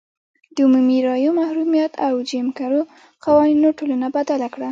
د عمومي رایو محرومیت او جیم کرو قوانینو ټولنه بدله کړه.